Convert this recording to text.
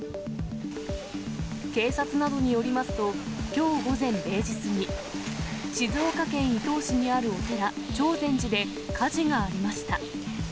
警察などによりますと、きょう午前０時過ぎ、静岡県伊東市にあるお寺、朝善寺で火事がありました。